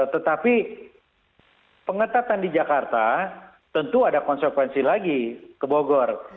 tetapi pengetatan di jakarta tentu ada konsekuensi lagi ke bogor